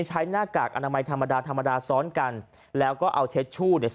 หน้ากากอนามัยธรรมดาธรรมดาซ้อนกันแล้วก็เอาเช็ดชู่เนี่ย